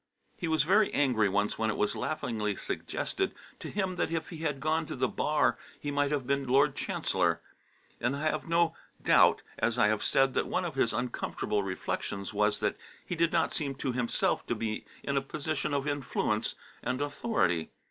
He was very angry once when it was laughingly suggested to him that if he had gone to the Bar he might have been Lord Chancellor; and I have no doubt, as I have said, that one of his uncomfortable reflections was that he did not seem to himself to be in a position of influence and authority.